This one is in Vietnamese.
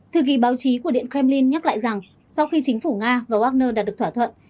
thư ký báo chí của điện kremlin nhắc lại rằng sau khi chính phủ nga và wagner đạt được thỏa thuận